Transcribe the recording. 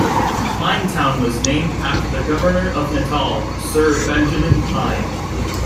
Pinetown was named after the governor of Natal, Sir Benjamin Pine.